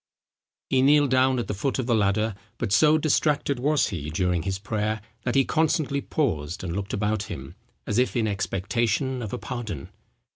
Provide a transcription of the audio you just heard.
He kneeled down at the foot of the ladder; but so distracted was he during his prayer, that he constantly paused and looked about him, as if in expectation of a pardon.